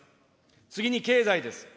次に経済です。